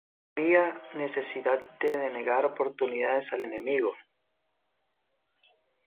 Punto dos: había necesidad de denegar oportunidades al enemigo.